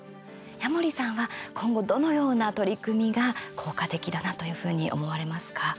矢守さんは今後、どのような取り組みが効果的だなというふうに思われますか？